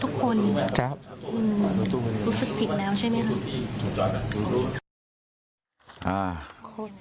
ครับครับ